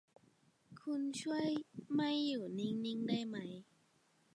คุณช่วยไม่อยู่นิ่ง ๆ ได้มั้ย